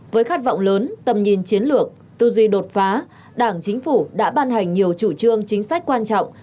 với khát vọng lớn tầm nhìn chiến lược tư duy đột phá đảng chính phủ đã ban hành nhiều chủ trương chính sách quan trọng